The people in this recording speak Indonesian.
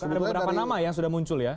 ada beberapa nama yang sudah muncul ya